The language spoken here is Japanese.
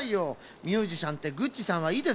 ミュージシャンってグッチさんはいいですか？